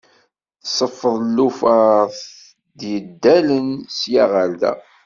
Tseffeḍ lufar t-yeddalen sya ɣer da.